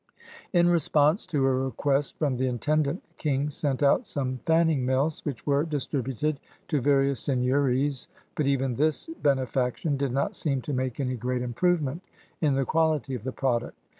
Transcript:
In response to a request from the intendant, the ICing sent out some fanning mills which were distributed to various seigneuries, but even this benefaction did not seem to make any great improvement in the quality of the product.